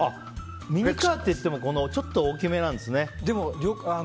ミニカーっていってもちょっと大きめなんですね。